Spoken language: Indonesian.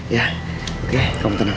ya oke kamu tenang